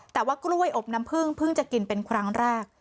แต่ว่ากล้วยอบน้ำพึ่งเพิ่งจะกินเป็นครั้งแรก